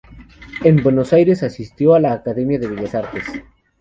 En Buenos Aires asistió a la Academia de Bellas Artes.